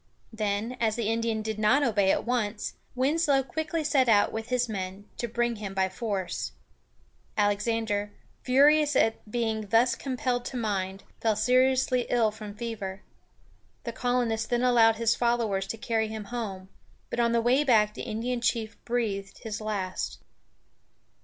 Then, as the Indian did not obey at once, Winslow quickly set out, with his men, to bring him by force. Alexander, furious at being thus compelled to mind, fell seriously ill from fever. The colonists then allowed his followers to carry him home; but on the way back, the Indian chief breathed his last.